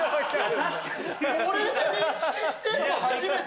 これで認識してるの初めて。